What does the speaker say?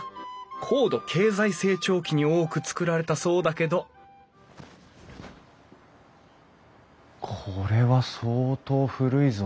高度経済成長期に多く造られたそうだけどこれは相当古いぞ。